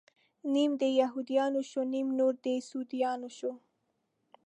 نيم د يهود يانو شو، نيم نور د سعوديانو شو